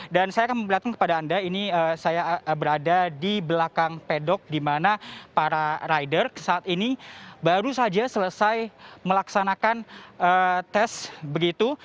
dan saya akan melihatkan kepada anda ini saya berada di belakang pedok di mana para rider saat ini baru saja selesai melaksanakan tes begitu